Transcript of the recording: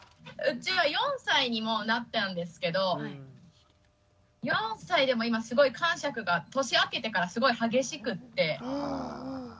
うちは４歳にもうなったんですけど４歳でも今すごいかんしゃくが年明けてからすごい激しくって。